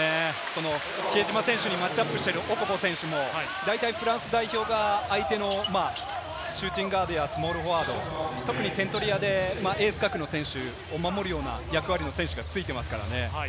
比江島選手にマッチアップしているオコボ選手も大体フランス代表が相手のシューティングガードやスモールフォワード、特に点取り屋でエース格の選手を守るような役割の選手がついていますからね。